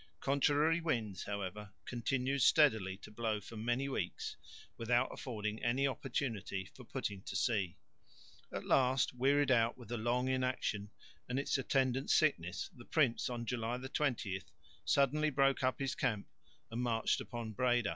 Contrary winds, however, continued steadily to blow for many weeks without affording any opportunity for putting to sea. At last, wearied out with the long inaction and its attendant sickness the prince (July 20) suddenly broke up his camp and marched upon Breda.